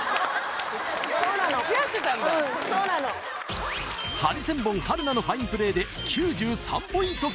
うんそうなのハリセンボン春菜のファインプレーで９３ポイント